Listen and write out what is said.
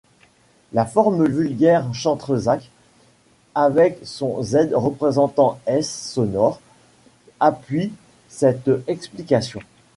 La forme vulgaire Chantrezac, avec son z représentant s sonore, appuie cette explication.